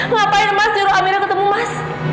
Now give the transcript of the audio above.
ngapain mas niro amira ketemu mas